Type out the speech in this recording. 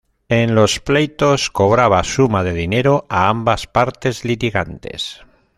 En los pleitos, cobraba suma de dinero a ambas partes litigantes.